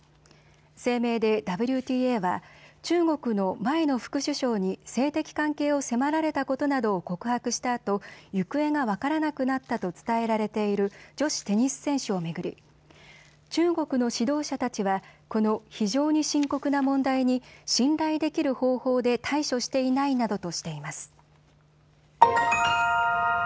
声明でＷＴＡは中国の前の副首相に性的関係を迫られたことなどを告白したあと行方が分からなくなったと伝えられている女子テニス選手を巡り、中国の指導者たちはこの非常に深刻な問題に信頼できる方法で対処していないなどとしています。